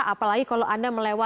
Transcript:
apalagi kalau anda melewati